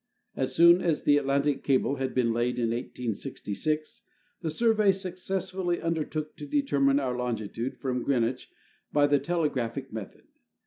As soon as the Atlantic cable had been laid in 1866, the Surve}' successfully undertook to determine our longitude from Green wich by the telegraphic method.